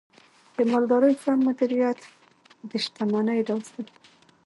د مالدارۍ سم مدیریت د شتمنۍ راز دی.